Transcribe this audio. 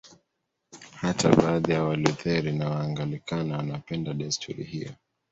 Hata baadhi ya Walutheri na Waanglikana wanapenda desturi hiyo.